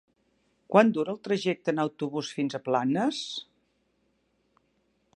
Quant dura el trajecte en autobús fins a Planes?